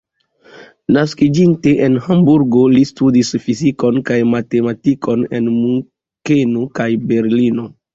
Naskiĝinte en Hamburgo, li studis fizikon kaj matematikon en Munkeno kaj Berlino.